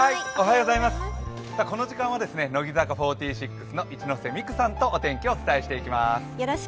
この時間は、乃木坂４６の一ノ瀬美空さんとお天気を伝えていきます。